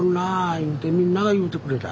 言うてみんなが言うてくれた。